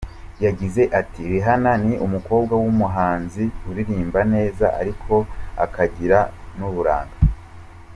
Yagize ati "Rihanna ni umukobwa w’umuhanzi uririmba neza ariko akagira n’uburanga.